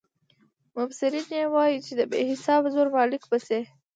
مبصرین یې وايي چې د بې حسابه زرو مالک به شي.